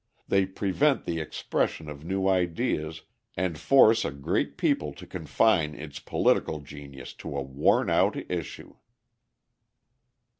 They prevent the expression of new ideas and force a great people to confine its political genius to a worn out issue.